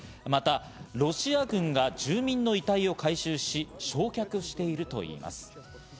またロシア軍が住民の遺体を回収し、焼却しているといいます。